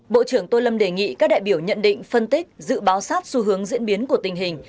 bộ trưởng tô lâm đề nghị các đại biểu nhận định phân tích dự báo sát xu hướng diễn biến của tình hình